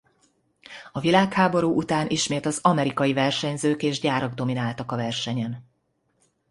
A világháború után ismét az amerikai versenyzők és gyárak domináltak a versenyen.